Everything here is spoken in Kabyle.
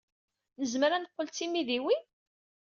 Nezmer ad neqqel d timidiwin?